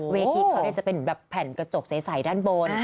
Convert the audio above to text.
เวทีเขาจะเป็นแบบแผ่นกระจกใสด้านบน